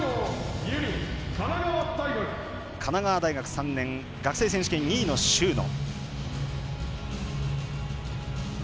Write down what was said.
神奈川大学３年学生選手権２位の秀野。